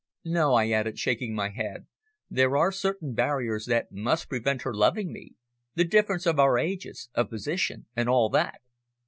"No," I added, shaking my head, "there are certain barriers that must prevent her loving me the difference of our ages, of position and all that."